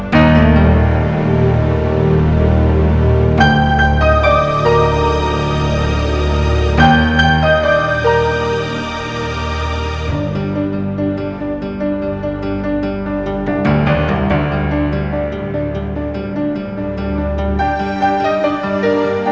ceng kamu mau ceng